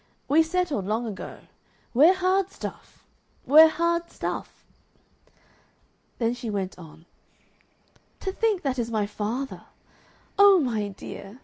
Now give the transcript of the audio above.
"We settled long ago we're hard stuff. We're hard stuff!" Then she went on: "To think that is my father! Oh, my dear!